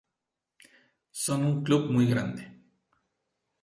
Son un club muy grande.